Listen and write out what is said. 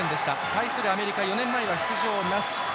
対するアメリカ４年前は出場なし。